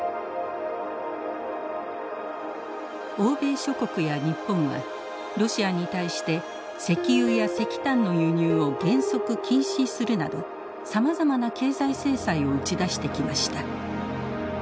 欧米諸国や日本はロシアに対して石油や石炭の輸入を原則禁止するなどさまざまな経済制裁を打ち出してきました。